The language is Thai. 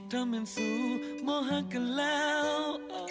ถ้ามันสู่มองหากันแล้ว